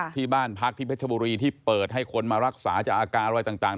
ที่บ้านพักที่เพชรบุรีที่เปิดให้คนมารักษาจากอาการอะไรต่าง